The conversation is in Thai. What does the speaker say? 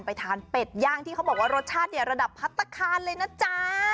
ทานเป็ดย่างที่เขาบอกว่ารสชาติเนี่ยระดับพัฒนาคารเลยนะจ๊ะ